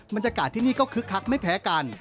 บรรยากาศที่นี่ก็คึกคักไม่แพ้กัน